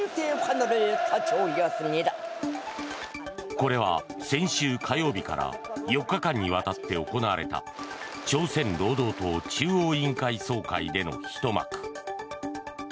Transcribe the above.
これは先週火曜日から４日間にわたって行われた朝鮮労働党中央委員会総会でのひと幕。